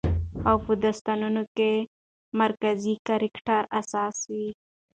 او په داستانونو کې مرکزي کرکټر اساس وي